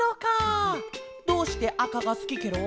どうしてあかがすきケロ？